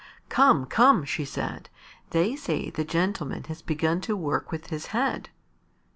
"Come, come," she said. "They say the gentleman has begun to work with his head."